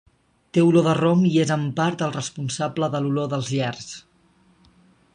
Té olor de rom i és en part el responsable de l'olor dels gerds.